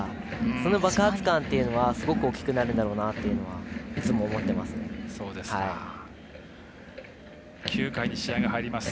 その爆発感っていうのはすごく大きくなるんだろうなというのは９回に試合が入ります。